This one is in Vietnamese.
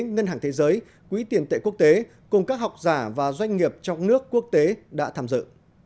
ngân hàng thế giới quỹ tiền tệ quốc tế cùng các học giả và doanh nghiệp trong nước quốc tế đã tham dự